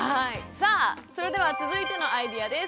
さあそれでは続いてのアイデアです。